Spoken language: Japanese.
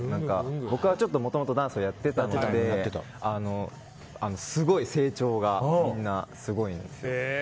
僕はもともとダンスをやっていたのでみんな成長がすごいです。